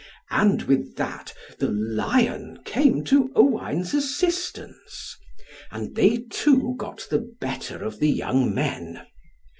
And with that the lion came to Owain's assistance; and they two got the better of the young men.